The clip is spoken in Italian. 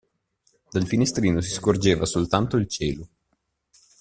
Dal finestrino si scorgeva soltanto il cielo.